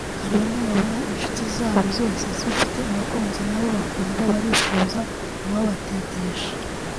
Hari bamwe babona ishuti zabo zose zifite abakunzi nabo bakumva barifuza uwabatetesha